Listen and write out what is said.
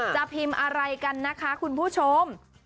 จะพิมพ์อะไรกันนะคะคุณผู้ชม